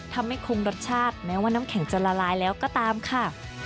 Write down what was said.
ทำให้คงรสชาติแม้ว่าน้ำแข็งจะละลายแล้วก็ตามค่ะ